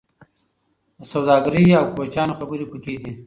د سوداګرۍ او کوچیانو خبرې پکې دي.